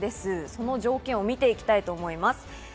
その条件を見ていきたいと思います。